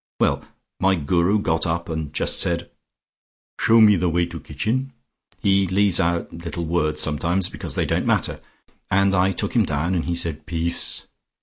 Well, my Guru got up and just said, 'Show me the way to kitchen' he leaves out little words sometimes, because they don't matter and I took him down, and he said 'Peace!'